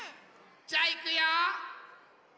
じゃあいくよ。